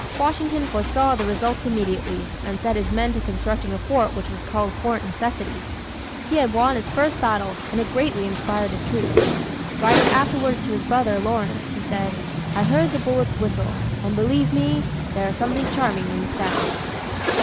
Washington foresaw the results immediately, and set his men to constructing a fort which was called Fort Necessity. He had won his first battle and it greatly inspired his troops. Writing afterwards to his brother, Lawrence, he said: "I heard the bullets whistle; and, believe me, there is something charming in the sound."